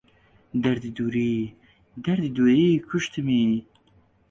دەردی دووری... دەردی دووری کوشتمی